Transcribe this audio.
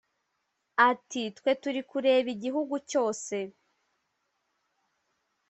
Ati “Twe turi kureba igihugu cyose